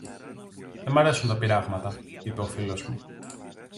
Δε μ' αρέσουν τα πειράγματα, είπε ο φίλος μου